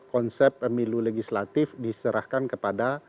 konsep pemilu legislatif diserahkan kepada